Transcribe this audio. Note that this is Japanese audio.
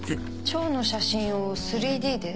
腸の写真を３Ｄで？